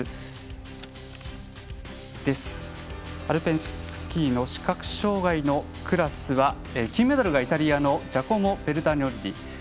アルペンスキーの視覚障がいのクラスは金メダルがイタリアのジャコモ・ベルタニョッリ。